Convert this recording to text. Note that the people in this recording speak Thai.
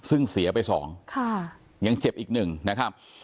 ซึ่งเสียไปสองค่ะยังเจ็บอีกหนึ่งนะครับ